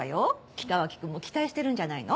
北脇君も期待してるんじゃないの？